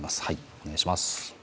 お願いします。